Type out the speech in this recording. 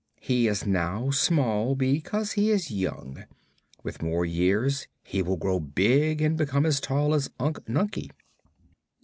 He is now small because he is young. With more years he will grow big and become as tall as Unc Nunkie."